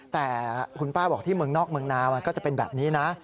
แต่คุณป้าบอกที่เมืองนอกเมืองนามันก็จะเป็นแบบนี้นะ